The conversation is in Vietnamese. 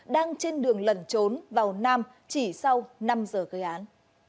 đang trên đường lẩn trốn vào nam chỉ sau năm giờ gây án